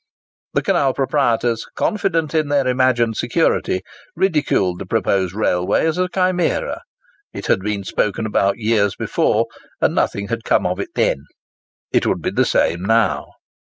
The canal proprietors, confident in their imagined security, ridiculed the proposed railway as a chimera. It had been spoken about years before, and nothing had come of it then: it would be the same now.